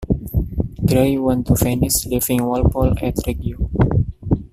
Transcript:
Gray went to Venice, leaving Walpole at Reggio.